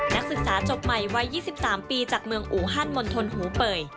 นักศึกษาจบใหม่วัย๒๓ปีจากเมืองอูฮันมณฑลหูเป่ย